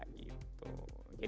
jadi gak perlu terlalu banyak